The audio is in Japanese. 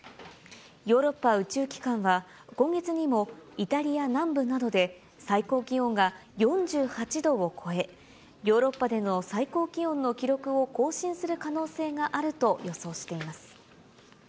ヨーロッパ宇宙機関は、今月にもイタリア南部などで最高気温が４８度を超え、ヨーロッパでの最高気温の記録を更新する可能性があると予想しています。